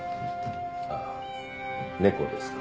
ああ猫ですか。